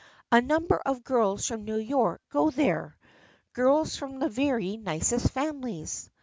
A number of girls from New York go there, girls from the very nicest families.